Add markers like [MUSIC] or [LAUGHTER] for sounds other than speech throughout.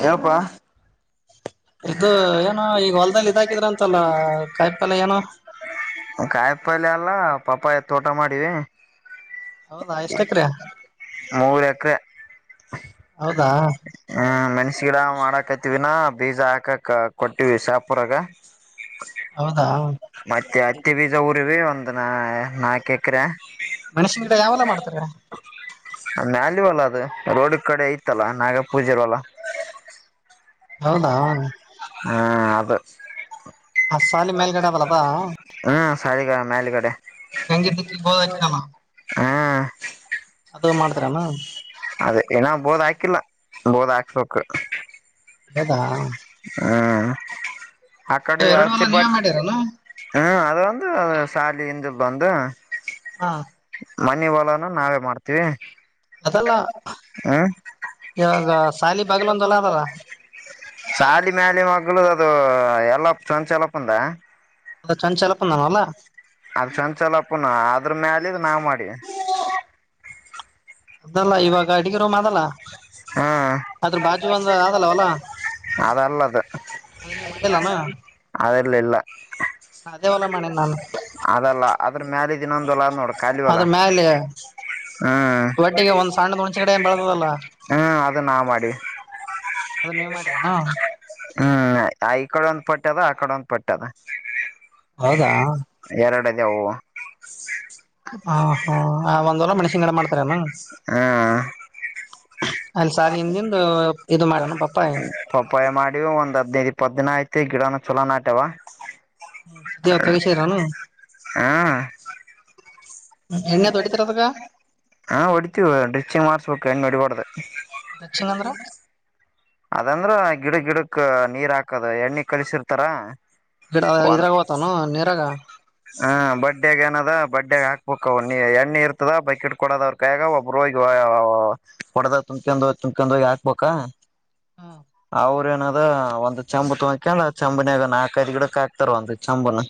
ಹೇಪ್ಪಾ ಇದು ಏನು ಈಗ ಹೊಲ್ದಲ್ಲಿ ಇದ ಹಾಕಿದ್ರ ಅಂತಲ್ಲ ಕಾಯಿಪಾಲ್ಯ್ ಏನು ಪಾಲ್ಯ ಅಲ್ಲ ಪಪ್ಪಾಯ ತೋಟ ಮಾಡಿವಿ ಹೌದಾ ಎಷ್ಟ ಎಕ್ರೆ ಮೂರು ಎಕರೆ [INAUDIBLE] ಹೌದಾ ಹ್ಮ್ ಮೆಣಸಿ ಗಿಡನು ಮಾಡಕತಿವಿನ ಬೀಜ ಹಾಕಕ್ ಕೆ ಕೊಟ್ಟಿವಿ ಶಾಪುರಾಗ ಹೌದಾ ಮತ್ತೆ ಹತ್ತಿ ಬೀಜ ಊರಿವಿ ಅಂತ ನ ನಾಕೇಕ್ರೆ ಮೆಣಸಿನ್ ಗಿಡ ಯಾವೆಲ್ಲ ಮಾಡ್ತಾರೆ? ಆ ಮ್ಯಾಗ್ಲು ವಲ ಅದು, ರೋಡ್ ಕಡೆ ಐತ ಇತ್ತಲ್ಲ ನಾಗ ಪೂಜೆರ್ ಹೊಲ. ಹೌದಾ ದ ಆ ಸಾಲಿ ಮೇಲ್ಗಡೆ ಅದಲ್ಲ ಅದಾ ಹ್ಮ ಸಲಿಗ ಮ್ಯಾಲ್ಗಡೆ ಗಂಗೆ ದಿಕ್ಕಿ ಗೋದ ಹಾಕಿರಲ್ಲ ಅದು ಮಾಡ್ತರನ ಅದೇ ಏನಾಗ್ಬೋದ್ ಆಕ್ ಕಿಲ್ಲ ಬೋದಾಕ್ಬೇಕು. ಹೌದ ಆ ಕಡೆ ಹಚ್ಚಿ ಪಟ್ಟ ಹ್ಮ ಅದ ಒಂದು ಸಾಲಿ ಇಂದು. ಬಂದು ಹಾ ಮನಿ ಹೊಲಾನ ನಾವೇ ಮಾಡ್ತೀವಿ. ಅದೆಲ್ಲ ಇವಾಗ ಶಾಲಿ ಬಾಗಿಲ ಒಂದಲ್ಲ ಅದಾರ. ಶಾಲಿ ಮೇಲೆ ಮಕ್ಕಳು ದು ಎಲ್ಲ ಸಂಚಾಲಪಂದ ಅ ಚಂಚಲಪ್ಪ ನವಲ್ಲ. ಹ ಅದ್ರ ಮ್ಯಾಲ ನಾವ್ ಮಾಡಿ ಅದಲ್ಲ ಇವಾಗ ಅಡಿಗೆ ರೂಮ್ ಅದಲ್ಲ ಹಾ ಅದ್ರ ಬಾಜು ಒಂದ ಅದಲ್ಲ ಹೊಲ ಅದಲ್ಲದು ಅದ ನೀವ್ ಮಾಡಿಲ್ಲಾನ ಅದೆಲ್ಲ ಇಲ್ಲ ಅದೇ ಹೊಲ ಮಾಡೇನ್ ನಾನು ಅದಲ್ಲ ಅದ್ರ ಮ್ಯಾಲ ಇದಿನೊಂದು ಹೊಲ ನೋಡು ಖಾಲಿ ಹೊಲ, ಅದ್ರ ಮ್ಯಾಲೆ ಹ್ಮ್. ಒಟ್ಟಿಗೆ ಒಂದ್ ಸಣ್ಣದ ಹುಣ್ಚಿ ಕಡೆ ಏನ್ ಬೆಳದದಲ್ಲ ಹ್ಮ ಅದು ನಾವ್ ಮಾಡಿವಿ. ಅದು ನೀವ್ ಮಾಡಿರೇನ್? ಹ್ಮ್ ಈ ಕಡೆ ಒಂದ್ ಪಟ್ಟ್ಯದ, ಆ ಕಡೆ ಒಂದ್ ಪಟ್ಟ್ಯದ ಹೌದಾ ಎರಡದೇ ಹವು ಹಾ ಹಾ ಮಷ್ಯ ಮಾಡ ರಾಮ ಹ್ಮ್ ಇದು ಮಾಡಣ ಪಪ್ಪಾಯ ಪಪ್ಪಾಯ ಮಾಡಿ ಒಂದ್ ಹದ್ನೈದು. ಇಪ್ಪತ್ದಿನ ಆಯ್ತು ಗಿಡನ ಚಲೋನ ಹುಟ್ಯವಾ. ಹ್ಮ ಸ ದವತ ವಿಷಯರನು ಹ್ಮ್ ಎಣ್ಣೆ ದೊಡಿತರಸಗ ಹಾ ಒಡಿತ ಡ್ರಿಚಿಂಗ್ ಮಾಡಾರ್ಸ ಬಕ್ಣ್ಣ ಎಡಿಿಕೂಡ್ದ ಟಚಿಂಗ್ ಅಂದ್ರ ಅದಂದ್ರ ಗಿಡ ಗಿಡಕ್ ನೀರ್ ಹಾಕ ಎಣ್ಣೆ ಕಳಿಸಿಿರ್ತಾರಾ ಈಡ ಇದ್ರಾಗ ಹತಾನ ನೀರಾಗ ಹಾ ಬಡ್ಡಿಯಾಗ ಏನಾದ ದ ಬಡ್ಡ್ಯಾಗ ಹಾಕ್ಬೇಕ ಎಣ್ಣೆ ಇರ್ತದ ಬಕೆಟ್ ಕೊಡದವ್ರಕಾಯಾಗ ಒಬ್ಬರು ಹೋಗಿ ಹೊಡದ ತುಂಬಕೊಂಡೋಗ ತುಂಬ್ಕೊಂಡ ಹೋಗಿ ಹಾಕ್ಬಬೇಕ ಅವ್ರೇನಾದ ದ ಒಂದ್ ಚಂಬು ತಗಕಲ್ಲ ಚಂಬುನಾಗ ನಾಕ ಐದ್ ಗಿಡಕ್ ಹಾಕ್ತಾರ ಒಂದ್ ಚಂಬುನ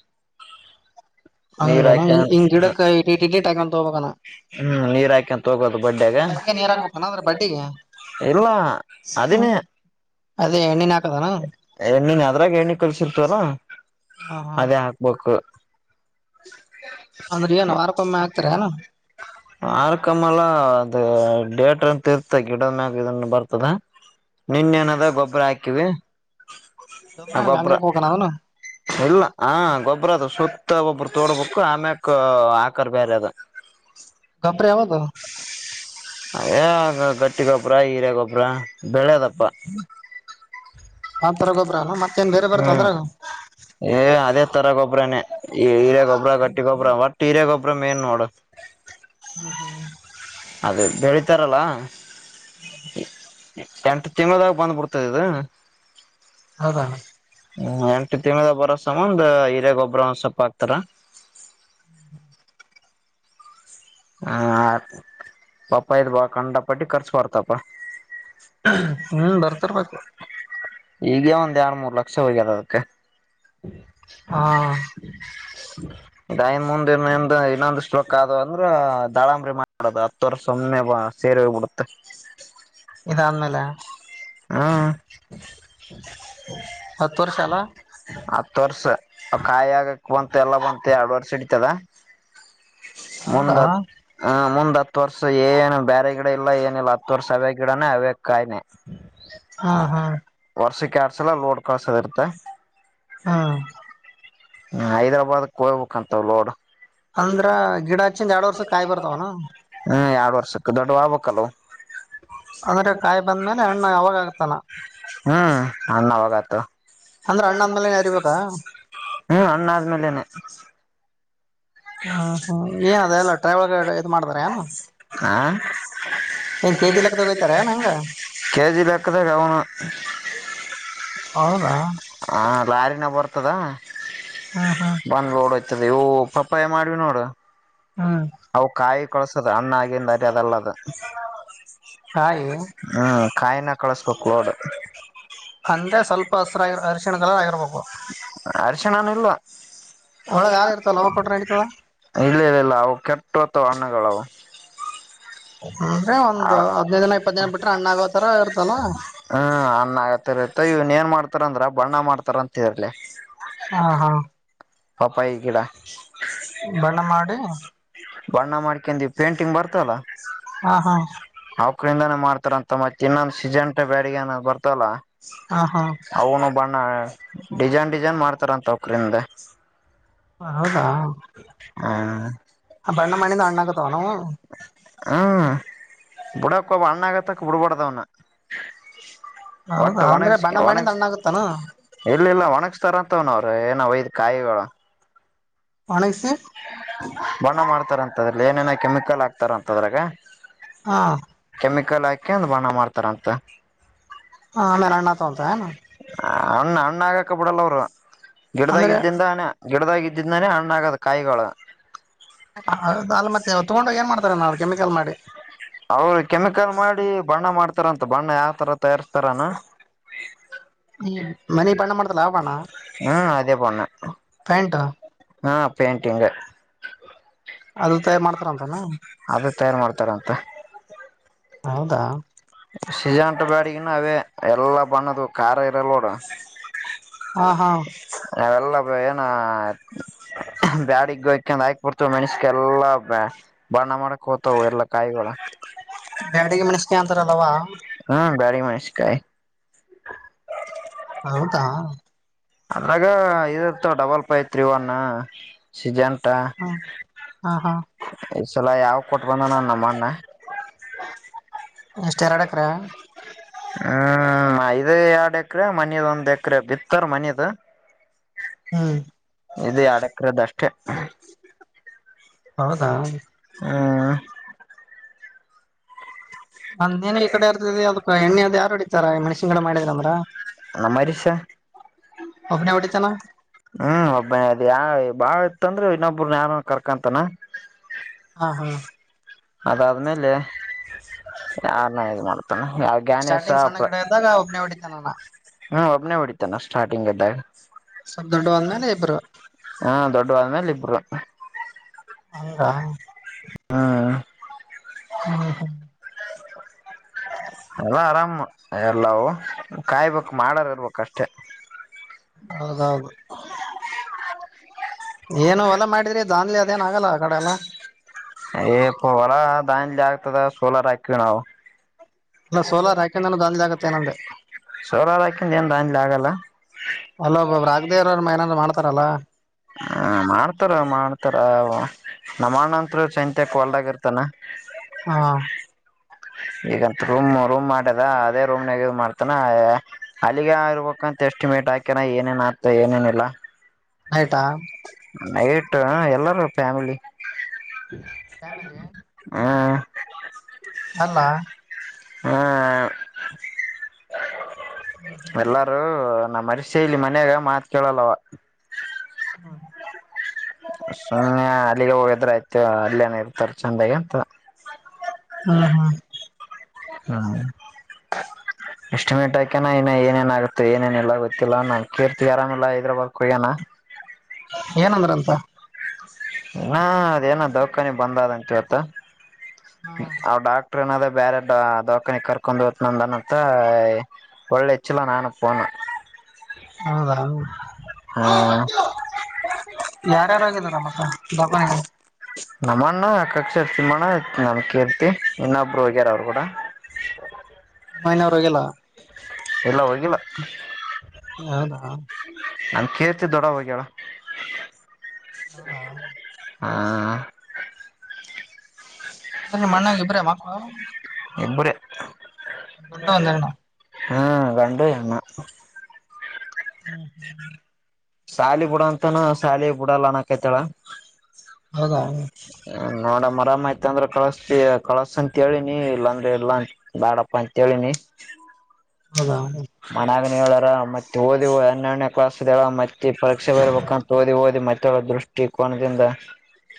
ನೀರ್ ಹಂಗನ ಹಾಕ ಹಿಂಗ್ ಗಿಡಕ್ ಇಟ್ ಇಟ್ ಹಾಕೊಂತ ಹೋಗ್ಬೇಕನ ಹ್ಮ ನೀರ್ ಹಾಕಂತ ಹೋಗೋದು ಬಡ್ಡಾಗ ಫಸ್ಟಿಗೆ ನೀರ್ ಹಾಕ್ಬೇಕನ ಅದ್ರ ಬಡ್ಡಿಗೆ ಇಲ್ಲ ಅದೇ ಎಣ್ಣಿನ ಹಾಕದನ ಅದನೇಣ್ಣನ್ ಅದ್ರಾಗ ಎಣ್ಣಿ ಕಲ್ಸಿಲ್ ಚರ ಹ ಹಾ ಅದೇ ಹಾಕ್ಬೇಕು ಅಂದ್ರ ಏನ್ ವಾರಕ್ಕೊಮ್ಮೆ ಹಾಕ್ತಾರ ಏನ ಆರಕಮ್ಮಲ್ಲಾ ಅದು ಡೇಟ್ರ ಅಂತ ಇರ್ತ ಗಿಡದ ಮ್ಯಾಗ ಇದನ್ನು ಬರ್ತದ ನಿನ್ ಏನದ ಗೊಬ್ಬ್ರ ಹಾಕಿವಿ ಗೊಬ್ಬ್ರ ಹ ಹಂಗ ಗೊಬರ ಹಂಗ್ಯಾಕ್ ಹೋಗಣ ಅದನು ಎಲ್ಲ ಹಾ ಗೊ ಅರದು ಸರ್ ಒಬ್ಬರು ತೋಡ್ಬೇಕು ಆಮೇ ಆಕಾರರ್ ಬೇರೆ ಅದ ಗಾಬರ ಅವವದು ಏ ಗಟ್ಟಿಗೊಬ್ಬ್ರ ಹೀರೇ ಗೊಬ್ರ ಬೆಳೆದಪ್ಪ ಆತರ ಗೊಬ್ಬ್ರನು ಮತ್ತೇನ್ ಬೇರೆ ಬರ್ತಾವ ಹ್ಮ್ ಅದ್ರಾಗ ಅದೇ ತರಗೊಬ್ಬರನೆ ಈ ಇಲ್ಲೇ ಗೊಬ್ರ ಕಟ್ಟಿ ಗೊಬ್ರ ಒಟ್ಟ ಹೀರ ಗೊಬ್ರ ಮ ೇನ್ ನೋಡ ಅದೇ ಬೆಳಿತಾರಲ್ಲ [INAUDIBLE] ಎಂಟು ತಿಂಗಳಾಗ ಬಂದ್ಬಿಡ್ತದ ಇದು ಹೌದಾ ಹ್ಮ ಎಂಟು ತಿಂದ ಬರೋಸಂದ ಹಿರೇ ಗೊಬ್ರ ಒಂದ್ ಸೊಪ್ಪ ಹಾಕ್ತಾರ ಹ ಪಾಪ ಇದ್ ಬಾ ಕಂಡಪಟ್ಟಿ ಕರ್ಸ ಬರ್ತಪಾ ಹ್ಮ್ ಬರ್ತಿರ್ಬೇಕು ಈಗ ಒಂದ್ ಎರ್ ಮೂರ್ ಲಕ್ಷ ಹೋಗ್ಯದ ಅದಕ್ಕೆ [INAUDIBLE] ಹಾ ಡೈನ್ಮಂದ ಇನ್ನೊಂದು ಸ್ಟ್ರಕ್ ಆದ ಅಂದ್ರ ದಾಳಂಬರಿ ಮಾಡ್ಬಡದು ಹತ್ತ ವರ್ ಸುಮ್ಮನೆ ಬ ಸೇರಿ ಹೋಗ್ಬ ಬಿಡುತ್ತೆ ಇದಾದ್ಮೇಲೆ ಹ್ಮ್ ಹತ್ತು ವರ್ಷ ಅಲ್ಲ ಹತ್ತು ವರ್ಷ ಕಾಯಿ ಆಗಕ್ ಬಂತ ಎಲ್ಲ ಬಂತೆ ಎರಡು ವರ್ಷಕ್ಕೆ ಇತಾ ಹೌದಾ ಮಂದ ಹ ಮ ಹತ್ ವರ್ಷ ಏನು ಬೇರೆ ಗಿಡ ಇಲ್ಲ ಏನಿಲ್ಲ ಹತ್ತು ವರ್ಷ ಅವ ಗಿಡನೇ ಅವೇ ಕಾಯನೆ ಹಾ ಹಾ ಎರಡ್ ಸಲ ಲೋಡ್ ಕಸದ ಇರ್ತ್ತೆ ಹಾ ಹ್ಮ ಹೈದ್ರಾಬಾದ ಹೋಗ್ಬೇಕುಂತವ ಲೋಡ್ ಅಂದ್ರ ಗಿಡ ಹಚ್ಚಿಂದ ಎರಡ್ ವರ್ಷ ಕಾಯಿ ಬರ್ತಾವನ ಕಲೋ ಅಂದ್ರೆ ಕಾಯಿ ಬಂದ್ಮೇಲೆ ಅಣ್ಣ ಯಾವಾಗ ಆಗ್ತಲ್ಲ ಅ [UNINTELLIGIBLE] ಹ್ಮ ಅಣ್ಣಾದ್ಮೇಲೆೇನೆ ಹ್ಮ ಹ್ಮ್ ಏನ್ ಅದ ಎಲ್ಲ ಟ್ರೈ ಒಳಗ ಇದ್ ಮಾಡ್ತಾರ ಏನ್ ಹ ಏನ್ ಕೆಜಿ ಲೆಕ್ಕದಾಗ ಹೋಯ್ತಾರ ಏನ್ ಹೆಂಗ ಕೆಜಿ ಬೇಕದಾಗ ಅವನು ಹೌದಾ ಹ ಲಾರಿನ ಬರ್ತ ತದ ಹ್ಮ್ ಹ್ಮ್ ಬಂದುಬೋಡ ಅ ಪಯ ಮಾಡ್ ನೋಡು ಹ್ಮ್ ಅ ಕಾಯ ಕಳಸದ ಅ್ಣ ಹಾಗಂದ ಅ ಅದಲ್ಲ ಕಾಯಿ ಹ್ಮ ಕಾಯಿನ ಕಳಬೇಕು ನೋಡು ಅಂದ್ರೆ ಸ್ವಲ್ಪ ಹಸರಾಗಿ ಅರಿಶಿಣ ಕಲರ್ ಆಗಿರ್ಬೇಕು ಅಶ ಅಲ್ಲ ಒಳಗ ಹಾಲ್ ಇರ್ತಲ್ಲ ಅವಾಗ ಕೊಟ್ರೆ ನಡೀತದ ಇಲ್ಲ ಇಲ್ಲ ಇಲ್ಲ ಅವ ಕೆಟ್ಟ ಟ್ಟೋ ತೋಣಗಳಾವ ಅಂದ್ರೆ ಹ್ಮ ಒಂದ್ ಹದ್ನೈದು ದಿನ ಇಪ್ಪತ್ತು ದಿನ ಬಿಟ್ರೆ ಹಣ್ಣಾಗೋ ತರ ಇರ್ತಲ್ಲ ಅನ್ನ ಆಗತ್ತರತ್ತ ಇವನ್ ಏನ್ ಮಾಡ್ತ ಯಾಕಂದ್ರೆ ಬಣ್ಣ ಮಾಡ್ತಾರ ಅಂತ ಹೇಳರ್ಲಿ ಹಾ ಹಾ ಪಾಪ ಈ ಕಿಡಾ ಬಣ್ಣ ಮಾಡಿ ಬಣ್ಣ ಮಾಡ್ಕೊಂಡಿ ಪೇಂಟಿಂಗ್ರ್ತಲ್ಲಾ ಹಾ ಹಾ ಇದಾನೇ ಮಾಡ್ತಾರಂತ ಮತ್ತೆ ಇನ್ನೊಂದು ಸೀಜಂಟ ಬ್ಯಾಡಿಗೆಏನ ಬರ್ತಲ್ಲ ಹಾ ಹಾ ಅವನು ಬಣ್ಣ ಡಿಸೈನ್ ಡಿಸೈನ್ ಮಾಡ್ತಾರಂತ ಅವಕ್ರಿಂದ ಹ ಹೌದಾ ಹಾ ಬಣ್ಣ ಮಾಡಿಂದ ಹಣ್ಣಾಗತ್ತಾವ ನಾವು ಹ್ಮ್ ಬಿುಡಕ್ ಹಣ್ಣು ಹಾಗೋತನಕ ಬಿಡ್ಡಬಾರ್ದು ಅವ್ನ ಒಟ್ಟ ಹೌದಾ ಅಂದ್ರೆ ಒಣಗಸ ಬಣ್ಣ ಒಣಗ ಮಾಡಿಂದ ಹಣ್ಣಾಗತ್ತಾನ ಎಲ್ಲಲ್ಲ ಒಣಗಸ್ತಾರ ತವನ ಅವ್ರರು ಏನ ಒಯ್ ಕಾಯಿ ಒಣಗಿಸಿ ಬಣ್ಣ ಮಾಡ್ತಾರಂತದ್ರಲ್ಲಿ ಏನೇನೋ ಕೆಮಿಕಲ್ ಹಾಕ್ತಾರ ಅಂತದ್ರಾಗ [UNINTELLIGIBLE] ಹಾ ಕೆಮಿಕಲ್ ಹಾಕಿ ಬಣ್ಣ ಮಾಡ್ತಾರ ಅಂತ ಹ ಆಮೇಲೆ ಹಣ್ಣು ಆಯ್ತವಂತ ಹಣ್ಣ ಹಣ್ಣ ಆಗಕ ಬಿಡಲ್ಲ ಅವ್ರು ಗಿಡದಾಗಿದ್ದಿಂದಾನ ಹಣ್ಣೇ ಗಿಡದಾಗಿದ್ದ ಗಿಡದ ಮೇಲೇ ಹಣ್ಣು ಹಣ್ಣು ಆಗೋದು ಕಾಯಿಗಳು ಅಲ್ ಮತ್ತೆ ತಗೊಂಡೋಗಿ ಏನ್ ಮಾಡ್ತಾರೆ ನಾವು ಕೆಮಿಕಲ್ ಮಾಡಿ ಅವ್ರು ಕೆಮಿಕಲ್ ಮಾಡಿ ಬಣ್ಣ ಮಾಡ್ತಾರಂತ ಬಣ್ಣ ಯಾವ ತರ ತಯಾರಿಸ್ಥಾನ ಈ ಮನಿ ಬಣ್ಣ ಮಾಡತರಲ್ಲ ಆ ಬಣ್ಣ ಬಣ್ಣ ಹ್ಮ ಅದೇ ಬಣ್ಣ ಹ್ಮ ಪಿಂಟಿಂಗ್ ಅದು ತಯಾರ್ ಮಾಡ್ತಾರಂತಾನ ಅದೇ ತಯಾರು ಮಾಡ್ತಾರ ಅಂತ ಹೌದ ಸಜಂಟ ಬ್ಯಾಡಗನು ಅವೇ ಎಲ್ಲಾ ಬನ್ನದು ಖಾರ ಇರಲ್ಲೋಡ ಹಾ ಹಾ ನಾವೆಲ್ಲ ಏನ ಬ್ಯಾಡಿಗೆ ಹಯಕ ಆಕ್ ಬಡ್ತವ ಮೆಣಸಕ ಎಲ್ಲಾ ಬ ಬಣ್ಣ ಮಾಡಕ್ ಹೋಗ್ತವು ಎಲ್ಲಾ ಕಾಯಿಗಳಗಳು ಬ್ಯಾಡಿಗೆ ಮೆಣಸಿನಕಾಯಿ ಆವ ಮೆಣಸಿನಕಾಯಿ ಹೌದಾ ಅದ್ರಾಗ ಇದು ಇರ್ತಾವ ಡಬಲ್ ಫೈವ ತ್ರೀ ಒನ್ ಹ್ಮ ಹಾ ಹಾ ಈಸಲ ಯಾವ ಕೊಟ್ ಬಂದ ನ ನಮ್ಮ್ಣ ಎಷ್ಟ ಎರಡಕ್ರ ಹ್ಮ್ ಐದು್ ಎರಡ್ ಎಕರೆ ಮನದ ಒಂದ್ ಎಕ್ರ ಬಿತ್ತಾರ ಮನದ ಹ್ಮ್ ಇದು ಎರಡು ಎಕರೆ ಅಷ್ಟೇ ಹೌದಾ ಹ್ಮ್ ಅಂದ್ೇನ್ ಇಲ್ ಕಡೆ ಇರ್ದಿದೆ ಅದಕ್ ಎಣ್ಣ ಅದ ಯಾರ ಹೊಡಿತಾರ ಮಣ್ಸಿನ್ ಕಡೆ ಮಾಡಿದ್ರ ಅಂದ್ರ ನ ಮರಿಷ ಅನವಡತಲ್ಲ ಹ್ಮ್ ಒಬ್ಬನೇ ಅದ ಯಾವ ಬಾಳ ಇತ್ತಂದ್ರೆ ಇನ್ನೊಬ್ಬ್ರನ್ಾನ ಕರ್ಕಂತಾನ ಹಾ ಹಾ ಅದಾದ್ಮೇಲೆೇ ಯಾರನ್ನ ಇ ಮಾಡ್ತಾನ ಯಾವ ಜ್ಾನೇಶ ಸ್ಟಾರ್ಟಿಂಗ್ ಸಣ್ಣ ಪ್ರ ಗಿಡ ಇದ್ದಾಗ ಒಬ್ನೇ ಹೊಡಿತಾನಾನ ಹ್ಮ ಒಬ್ಬನೆ ಹೊಡಿತಾನಾ ಸ್ಟಾರ್ಟಿಂಗ್ ಇದ್ದಾಗ ಸ ದೊಡ್ಡವಂದ ಮೇಲೆ ಇಬ್ರು ಹಾ ದೊಡ್ಡವಾದ್ಮೇಲ್ಲಿ ಇಬ್ರು ಹಂಗಾ ಹಾ ಹ್ಮ ಹಾ ಅಲ್ಲ ಆರಾಮ್ ಎಲ್ಲಾ ಕಾಯ್ಬೇಕು ಮಾಡಾರ ಇರ್ಬೇಕ ಅಷ್ಟೇ ಹೌದೌದು ಏನು ಎಲ್ಲ ಮಾಡಿದ್ರಿ ದಾನ್ಲಿ ಅದೇನ ಆಗಲ್ಲ ಆ ಕಡೆ ಎಲ್ಲ ಅಪ್ಪ ವಳ ದಲ್ಲಿ ಆಗ್ತದ ಸೋಲರ್ ಹಾಕಿ ನಾವು ಅಲ್ಲ ಸೋಲಾರ್ ಹಾಕಿಂದಾನ ದಂದ ಆಗತ್ತೆ ಏನಂದ ಸೋಲಾರ್ ಹಾಕಿಂದ ಏನ್ ದಾನ್ಲಿ ಆಗಲ್ಲ ಅಲ್ಲೊ ಒಬ್ಬಬ್ ರಾಗದೇವ್ರ್ರ ಏನಾದ್ರರು ಮಾಡ್ತಾರಲ್ಲಾ ಹ ಮಾಡ್ತಾರ ಮಾಡ್ತಾರ ನಮ್ಮಂತ್ ಚೈತ್ಯಕ್ ಒಲ್ಡ್ಗರ್ತಾನ ಹಾ ಈಗಂತ ರೂಮ್ ರೂಮ್ ಮಾಡ್ಯದ ಅದೇ ರೂಮ್ನಾಗ ಇ ಮಾಡ್ತಾನ ಅಲ್ಲಿಗೆ ಇರ್ಬೇಕಂತ ಎಸ್ಟಿಮೇಟ್ ಹಾಕ್ಯನ ಏನೇನ್ ಆತ ಏನೇನಿಲ್ಲ ಹಟಾ ಎಲ್ಲಾರು ಫ್ಯಾಮಿಲಿ ಫ್ಯಾಮಿಲಿ ಹ ಅಲ್ಲ ಹ್ಮ ಎಲ್ಲಾರೂ ನ ಮರಿಸೆಲಿ ಮನ್ಯಾಗ ಮಾತ್ ಕೇಳಲ್ಲವ ಸುಯ ಅಲ್ಲಿಗೆ ಒೋಗದತ [INAUDIBLE] ಮತ್ತೆ ಅಲ್ಲ ನ ಇರ್ತಾರ ಚೆಂದಾಗಿ ಅಂತ [UNINTELLIGIBLE] ಹಾ ಹಾ ಹಾ [UNINTELLIGIBLE] ಎಷ್ಟಟಿಮೇಟ್ ಆಾಕ್ಯನಾ ಇನ್ನ ಏೇನ್ ಆಗುತ್ತತ್ತು ಏನೇನ ಇಿಲ್ಲ ಗೊತ್ತಿಲ್ಲಾ ನನ್ ಕೀರ್ತಿ ಆರಾಮಿಲ್ಲಲ್ಲ ಇದ್ರ ಬರ್ಕ್ ಹಗ್ಯನ ಏನಂದ್ರಂತ ಇ ಅದೇನ ದೌಖಾನಿ ಬಂದದಂಂತ ಇತ್ತು ಹ್ಮ್ ಆ ಡಕ್ [UNINTELLIGIBLE] ಟ್ರನಾದ ಬ್ಯಾರಟ್ ದಖಾನಿ ಕರ್ಕೊಂಡ್ ಹತ ನಂದನಂತ ಒಳ್ಳೆಚ್ಚಿಲ್ಲ ನಾನು ಫೋನ್ ಹೌದಾ ಯಾರ್ಯಾರುಾಗಿದಾರಮ್ಮಕ್ಕ ದಖಾನ ನಮ್ಮಣ್ಣ ಅಕಕ್ಷ ಇರ್ ತಿಮ್ಮಣ್ಣ ನಮ ಕಿ ಇರ್ತಿ ಇನ್ನೊಬ್ರು ಹೋಗ್ಯಾರ ಅವರು ಕೂಡ ಮನವರಗೆಲ್ಲ ಎಲ್ಲ ಹೋಗಿಲ್ಲ ಹೌದಾ ನಮ ಕೇರ್ತ ದೊಡ ಹೋಗಳ ಹೌದಾ ಹ ನಿಮ್ಮ ಅಣ್ಣಾಗ ಇಬ್ರೆ ಎಬರಿ [UNINTELLIGIBLE] ಹ [UNINTELLIGIBLE] ಅೊಂಡ ಬಂದಣ [UNINTELLIGIBLE] ಹಾ ಕಂಡ ಅಮ್ಮ [UNINTELLIGIBLE] ಹ್ಮ್ ಹ್ಮ್ ಶಾಲಿ ಬುಡ ಅಂತನೂ ಶಾಲಿ ಬುಡಲ್ಲನಕೈತಾಳ ಹ [UNINTELLIGIBLE] ಹ ನೋಡಮ್ಮ ಆರಾಮ ಆಯತ ಅಂದ್ರೆ ಕಳಸ್ತ ಕಳಸ ಅಂತ ಹೇಳಿನಿ ಇಲ್ಲಾಂದ್ರೆ ಇಲ್ಲಾ ಅಂತ ಬ್ಯಾಡಪ್ಪ ಅಂತತ್ ಹೇಳೇಳಿನಿ ಹೌದಾ ಮನ್ಯಾಗನ ಹೇಳಾರ ಮತ್ತೆ ಓದವು ಹನ್ನೆರಡನೇ ಕ್ಲಾಸ್ ಸಳಾವ ಮಚ್ ಪರೀಕ್ಷೆ ಬರ್ಬೇಕಂತ ಓದಿ ಓದಿ ಮತ್ತೆ ದೃಷ್ಟಿಕೋನದಿಂದ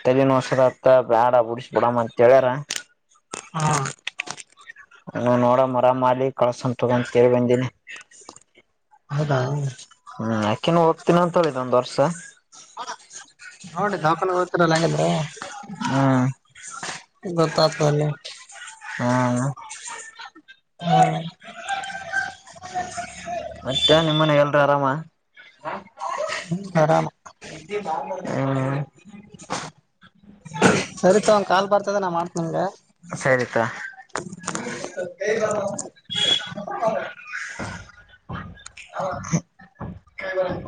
ತಲೆನಸದತ್ತ ಬ್ಯಾಡ ಬುಡಸ ಬಿಡಮ್ಮ ಅಂತ ಹೇಳ್ಯಾರ ಹಾ ನೀ ನೋಡ ಮರಾಮಲಿ ಕಳ್ಸಂ ತಗೊಅಂತೇಳಿ ಬಂದೀನಿ ಹೌದಾ ಹ್ಮ್ ಯಾಕೆನ ಹೋಗದ್ತೀನ ಅಂತಳ ಇದೊಂದ ವರ್ಷ ನೋಡಿ ದಾಖಲು ಹತಲ್ಲ ಹಂಗಿದೆ ಹ್ಮ್ ಗೊತ್ತತಲ್ಲ ಹ್ಮ್ ಹ್ಮ ಮತ್ತೆ ನಿಮ್ಮ್ ಮನೆಲ್ ತ್ತ ಆರಾಮ ಆರಾಮ ಹ್ಮ್ ಸರಿ ತಗೋ ಒಂದ ಕಾಲ್ ಬರ್ತದೆ ನಾ ಮಾಡ್ತ ನಿಂಗೆ ಸರಿತಾ [UNINTELLIGIBLE] [UNINTELLIGIBLE] [UNINTELLIGIBLE]